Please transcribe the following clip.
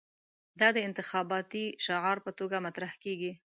دا د انتخاباتي شعار په توګه مطرح کېږي.